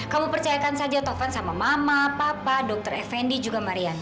kamu percayakan saja tovan sama mama papa dokter effendi juga marian